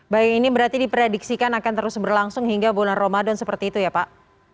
baik ini berarti diprediksikan akan terus berlangsung hingga bulan ramadan seperti itu ya pak